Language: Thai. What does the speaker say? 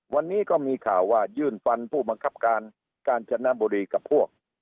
วันนี้ก็มีข่าวว่ายื่นฟันผู้บังคับการกาญจนบุรีกับพวก